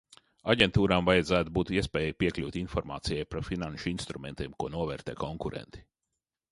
Aģentūrām vajadzētu būt iespējai piekļūt informācijai par finanšu instrumentiem, ko novērtē konkurenti.